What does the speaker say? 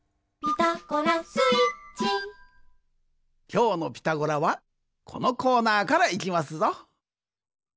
きょうの「ピタゴラ」はこのコーナーからいきますぞ！